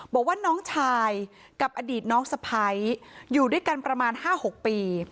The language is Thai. บอกว่าน้องชายกับอดีตน้องสะพ้ายอยู่ด้วยกันประมาณ๕๖ปี